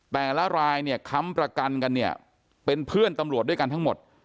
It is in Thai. แต่ละรายเนี่ยค้ำประกันกันเนี่ยเป็นเพื่อนตำรวจด้วยกันทั้งหมด